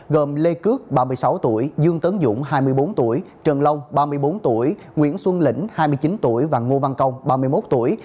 gồm lê cước ba mươi sáu tuổi dương tấn dũng hai mươi bốn tuổi trần long ba mươi bốn tuổi nguyễn xuân lĩnh hai mươi chín tuổi và ngô văn công ba mươi một tuổi